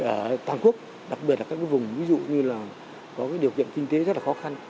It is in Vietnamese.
ở toàn quốc đặc biệt là các vùng ví dụ như là có điều kiện kinh tế rất là khó khăn